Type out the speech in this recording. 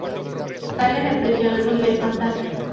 Sale de prisión un mes más tarde.